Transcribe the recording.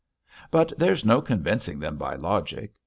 But there's no convincing them by logic....